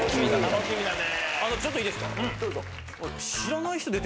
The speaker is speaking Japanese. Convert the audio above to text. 楽しみだね。